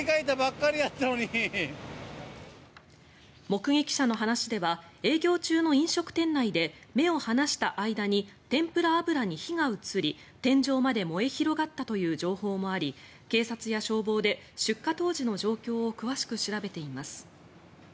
目撃者の話では営業中の飲食店内で目を離した間に天ぷら油に火が移り天井まで燃え広がったという情報もあり警察や消防で出火当時の状況を詳しく調べています。